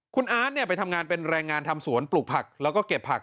คุณอาร์ตไปทำงานเป็นแรงงานทำสวนปลูกผักแล้วก็เก็บผัก